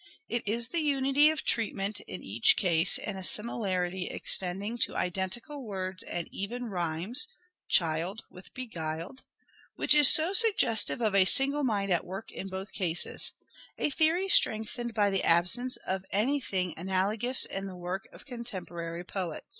It is the unity of treatment in each case and a simi larity extending to identical words and even rhymes (" child " with " beguiled ") which is so suggestive of a single mind at work in both cases : a theory strengthened by the absence of anything analogous in the work of contemporary poets.